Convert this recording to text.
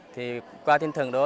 thì qua tinh thần đó